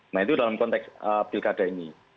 nah itu dalam konteks pilkada ini